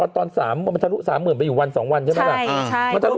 ตอน๓มันทะลุ๓๐๐๐ไปอยู่วัน๒วันใช่ไหมล่ะ